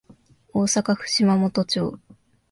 大阪府島本町